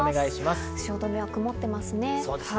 汐留は曇っていますね。